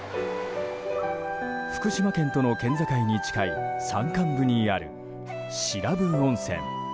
福島県との県境に近い山間部にある白布温泉。